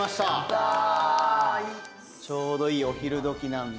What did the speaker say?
ちょうどいいお昼時なんで。